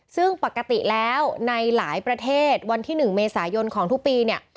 ซึ่งปกติแล้วในหลายประเทศวันที่๑เมษายนของทุกปีเนี่ย